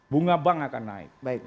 bunga bank akan naik